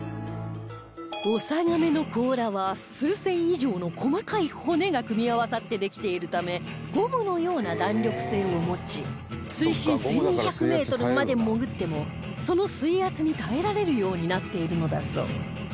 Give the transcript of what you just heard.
オサガメの甲羅は数千以上の細かい骨が組み合わさってできているためゴムのような弾力性を持ち水深１２００メートルまで潜ってもその水圧に耐えられるようになっているのだそう